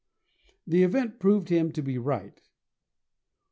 The event proved him to be right.